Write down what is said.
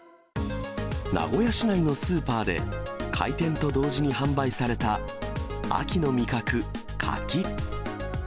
名古屋市内のスーパーで、開店と同時に販売された秋の味覚、柿。